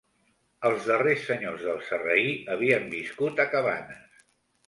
Els darrers senyors del Sarraí havien viscut a Cabanes.